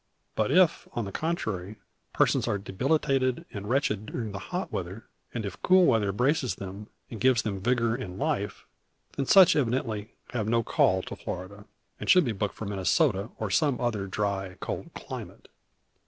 But if, on the contrary, persons are debilitated and wretched during hot weather, and if cool weather braces them, and gives them vigor and life, then such evidently have no call to Florida, and should be booked for Minnesota, or some other dry, cold climate.